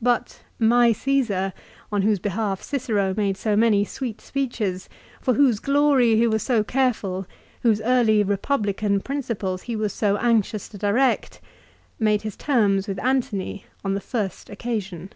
But " rny Caesar," on whose behalf Cicero made so many sweet speeches, for whose glory he was so careful, whose early republican principles he was so anxious to direct, made his terms with Antony on the first occasion